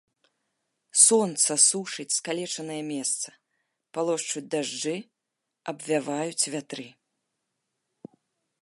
Сонца сушыць скалечанае месца, палошчуць дажджы, абвяваюць вятры.